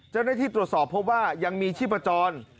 เจ้าหน้าที่ตรวจสอบพบว่ายังมีชีพจร